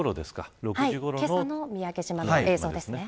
けさの三宅島の映像です。